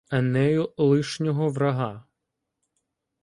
Енею лишнього врага.